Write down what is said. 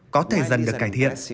có thể dần được cải thiện